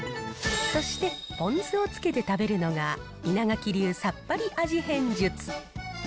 そして、ポン酢をつけて食べるのが、稲垣流さっぱり味変術。